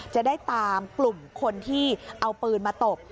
จะได้ตามกลุ่มคนที่เอาปืนมาตบ